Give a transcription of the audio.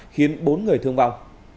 khiến bốn người thương vào